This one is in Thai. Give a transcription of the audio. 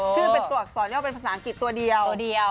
ชื่อเป็นตัวอักษรย่อเป็นภาษาอังกฤษตัวเดียว